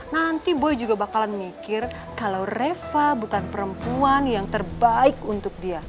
nanti boy juga bakalan mikir kalau reva bukan perempuan yang terbaik untuk dia